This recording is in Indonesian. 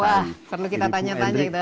wah perlu kita tanya tanya itu